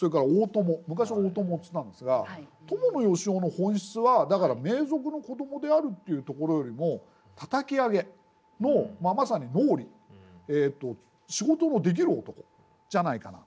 昔は大伴って言ってたんですが伴善男の本質はだから名族の子どもであるというころよりもたたき上げのまさに能吏仕事のできる男じゃないかな。